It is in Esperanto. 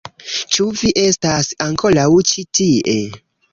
Ĉu vi estas ankoraŭ ĉi tie?